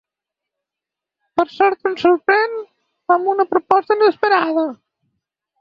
Per sort, em sorprèn amb una proposta inesperada.